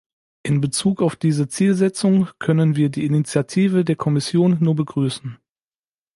In bezug auf diese Zielsetzung können wir die Initiative der Kommission nur begrüßen.